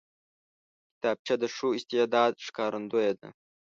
کتابچه د ښو استعداد ښکارندوی ده